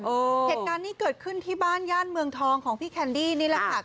เหตุการณ์นี้เกิดขึ้นที่บ้านย่านเมืองทองของพี่แคนดี้นี่แหละค่ะ